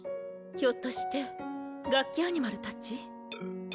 ひょっとしてガッキアニマルたち？